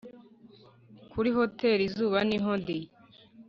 kuri hoteri izuba niho ndi